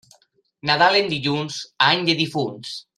Nadal en dilluns, any de difunts.